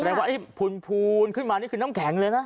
แสดงว่าไอ้พูนขึ้นมานี่คือน้ำแข็งเลยนะ